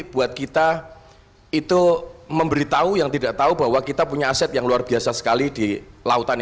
buat kita itu memberitahu yang tidak tahu bahwa kita punya aset yang luar biasa sekali di lautan